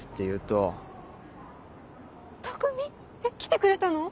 たくみえっ来てくれたの？